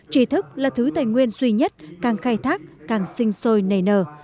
chi thức là thứ tài nguyên duy nhất càng khai thác càng sinh sôi nây nở